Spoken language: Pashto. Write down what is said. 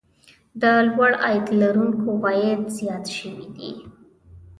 د لوړ عاید لرونکو عوايد زیات شوي دي